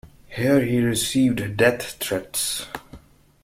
Here he received death-threats.